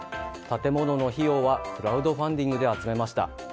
建物の費用はクラウドファンディングで集めました。